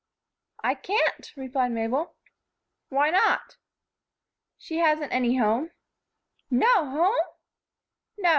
"I can't," replied Mabel. "Why not?" "She hasn't any home." "No home!" "No.